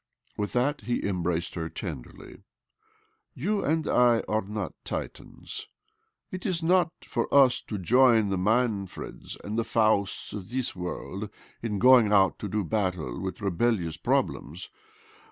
With that he embraced her tenderly. "You and I are not Titans; it is not for us to join the Ma, nfreds and OBLOMOV 261 the Fausts of this world in going out to do battle with rebellious problems.